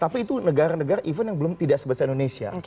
tapi itu negara negara event yang belum tidak sebesar indonesia